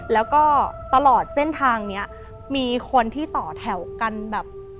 แล้วก็ตลอดเส้นทางนี้มีคนที่ต่อแถวกันแบบ